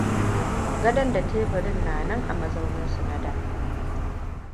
Gadon da teburin na nan a mazauninsu na da.